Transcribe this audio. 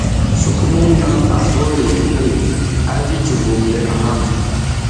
Sukumung nang aso le ti bu, a ji civing le a hang.